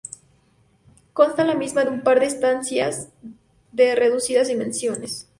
Consta la misma de un par de estancias de reducidas dimensiones.